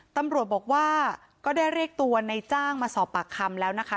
ตำรวจบอกว่าก็ได้เรียกตัวในจ้างมาสอบปากคำแล้วนะคะ